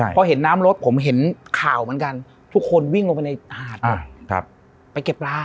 พอเห็นน้ำรถผมเห็นข่าวเหมือนกันทุกคนวิ่งลงไปในหาดไปเก็บปลา